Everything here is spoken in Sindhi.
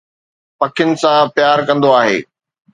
پکين سان پيار ڪندو آهي